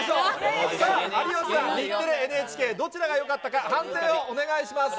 有吉さん、日テレ×ＮＨＫ、どちらがよかったか、判定をお願いします。